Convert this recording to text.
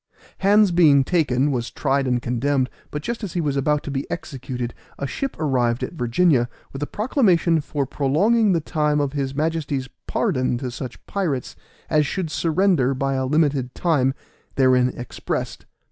Hands being taken, was tried and condemned, but just as he was about to be executed a ship arrived at Virginia with a proclamation for prolonging the time of his Majesty's pardon to such of the pirates as should surrender by a limited time therein expressed.